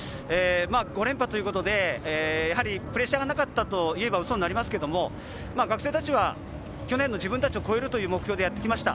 ５連覇ということでプレッシャーがなかったと言えば嘘になりますけど、学生たちは去年の自分たちを超えるという目標でやってきました。